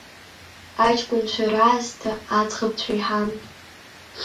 Аҷкәынцәа раасҭа аӡӷабцәа еиҳан.